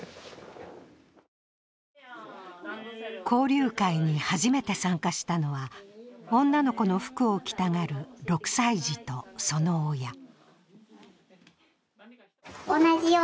交流会に初めて参加したのは女の子の服を着たがる６歳児とその親。